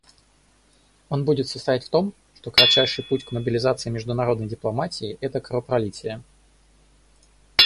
Он будет состоять в том, что кратчайший путь к мобилизации международной дипломатии — это кровопролитие.